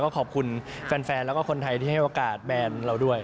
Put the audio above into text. ขอบคุณแฟนแล้วก็คนไทยที่ให้โอกาสแบรนด์เราด้วย